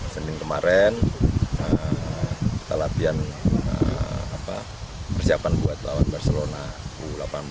senin kemarin kita latihan persiapan buat lawan barcelona u delapan belas